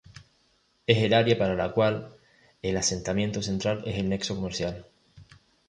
Es el área para la cual el asentamiento central es el nexo comercial.